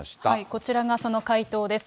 こちらがその回答です。